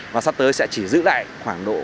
và sắp tới sẽ chỉ giữ lại khoảng độ